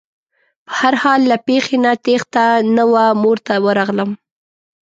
په هر حال له پېښې نه تېښته نه وه مور ته ورغلم.